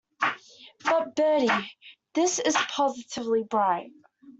But, Bertie, this is positively bright.